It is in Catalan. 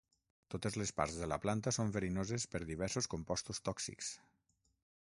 Totes les parts de la planta són verinoses per diversos compostos tòxics.